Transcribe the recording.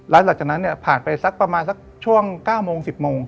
แล้วหลังจากนั้นผ่านไปประมาณช่วง๙๑๐โมง